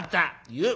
言う。